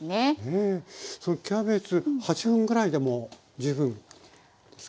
キャベツ８分ぐらいでも十分ですか？